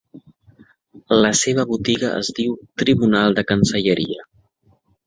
La seva botiga es diu Tribunal de Cancelleria.